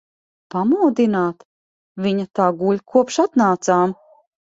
Pamodināt? Viņa tā guļ, kopš atnācām.